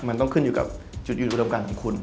มันต้องขึ้นอยู่กับจุดยืนอุดมการของคุณ